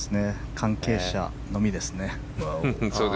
関係者のみですね。